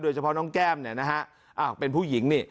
เฉพาะน้องแก้มเนี่ยนะฮะอ้าวเป็นผู้หญิงนี่